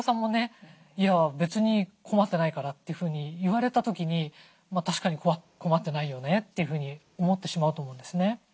「別に困ってないから」ってふうに言われた時に確かに困ってないよねというふうに思ってしまうと思うんですよね。